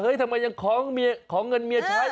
ทำไมยังขอเงินเมียใช้